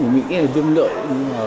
mình nghĩ là viêm lợi